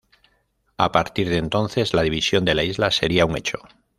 A partir de entonces, la división de la isla sería un hecho.